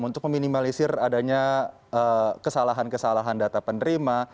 untuk meminimalisir adanya kesalahan kesalahan data penerima